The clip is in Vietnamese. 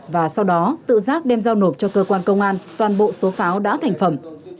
và sau đó tự giác đem giao nộp cho cơ quan công an toàn bộ số pháo đã thành phẩm